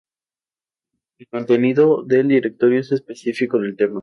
El contenido del directorio es específico en el tema.